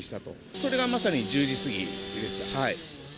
それがまさに１０時過ぎです。